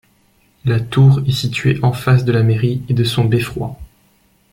La tour est située en face de la mairie et de son beffroi.